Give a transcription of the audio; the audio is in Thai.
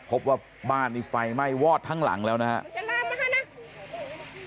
พบว่าบ้านนี้ไฟไหม้วอดทั้งหลังแล้วนะฮะ